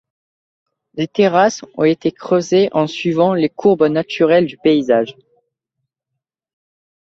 Les terrasses ont été creusées en suivant les courbes naturelles du paysage.